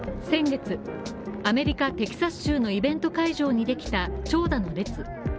先月、アメリカ・テキサス州のイベント会場にできた長蛇の列。